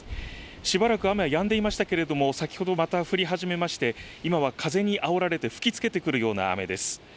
しばらく雨はやんでいましたけれども、先ほどまた降り始めまして、今は風にあおられて吹きつけてくるような雨です。